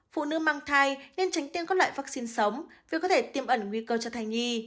phụ nữ mang thai nên tránh tiêm các loại vaccine sống vì có thể tiêm ẩn nguy cơ cho thai nhi